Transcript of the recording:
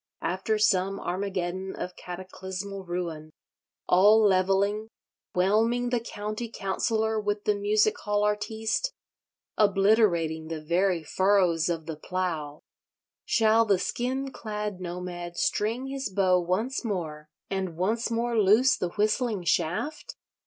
After some Armageddon of cataclysmal ruin, all levelling, whelming the County Councillor with the Music hall artiste, obliterating the very furrows of the Plough, shall the skin clad nomad string his bow once more, and once more loose the whistling shaft?